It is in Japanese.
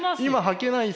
はけない？